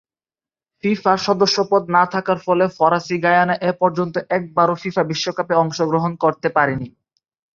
ফিফার সদস্যপদ না থাকার ফলে ফরাসি গায়ানা এপর্যন্ত একবারও ফিফা বিশ্বকাপে অংশগ্রহণ করতে পারেনি।